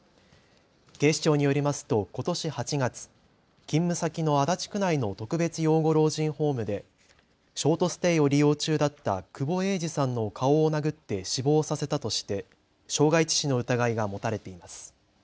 警視庁によりますとことし８月、勤務先の足立区内の特別養護老人ホームでショートステイを利用中だった久保榮治さんの顔を殴って死亡させたとして傷害致死の疑いが持たれています。